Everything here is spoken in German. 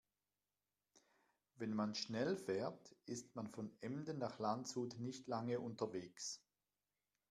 Wenn man schnell fährt, ist man von Emden nach Landshut nicht lange unterwegs